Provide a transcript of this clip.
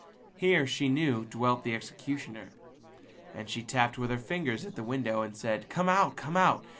Here, she knew, lived the executioner; and she tapped with her finger at the window and said: "Come out, come out!